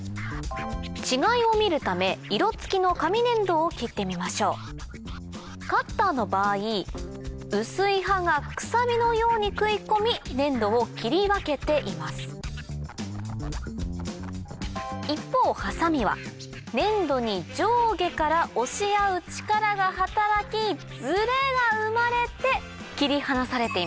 違いを見るため色付きの紙粘土を切ってみましょうカッターの場合薄い刃がくさびのように食い込み粘土を切り分けています一方ハサミは粘土に上下から押し合う力が働きズレが生まれて切り離されています